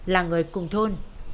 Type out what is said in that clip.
là người cùng thôn